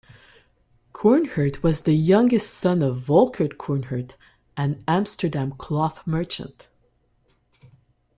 Coornhert was the youngest son of Volckert Coornhert, an Amsterdam cloth merchant.